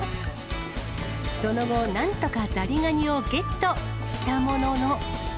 その後、なんとかザリガニをゲットしたものの。